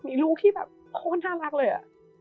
มีลูกที่แบบโอ้น่ารักเลยอะ